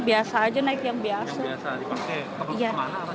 biasa aja naik yang biasa dipakai